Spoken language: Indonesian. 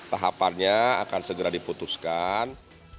tahapannya akan segera diputuskan